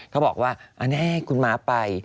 เขาบอกว่าอันนี้คุณม้าไป